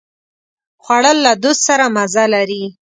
خوړل له دوست سره مزه لري